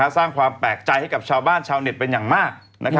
สร้างความแปลกใจให้กับชาวบ้านชาวเน็ตเป็นอย่างมาก